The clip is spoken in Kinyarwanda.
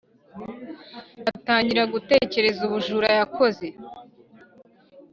atangira gutekereza ubujura yakoze,